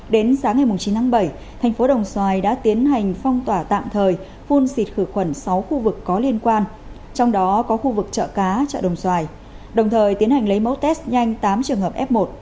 đến sáng ngày chín tháng bảy thành phố đồng xoài đã tiến hành phong tỏa tạm thời phun xịt khử khuẩn sáu khu vực có liên quan trong đó có khu vực chợ cá chợ đồng xoài đồng thời tiến hành lấy mẫu test nhanh tám trường hợp f một